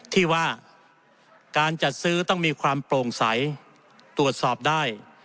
ที่ว่าการจัดซื้อต้องมีความโปร่งใสตรวจสอบได้